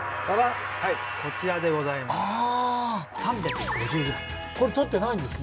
我々こちらです。